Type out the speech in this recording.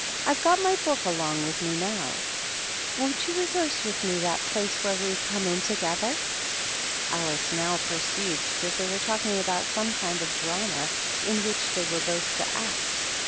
"I've got my book along with me now. Won't you rehearse with me that place where we come in together?" Alice now perceived that they were talking about some kind of drama in which they were both to act.